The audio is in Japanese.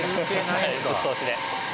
はいぶっ通しで。